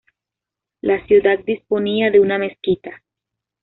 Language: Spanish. La ciudad disponía de una mezquita.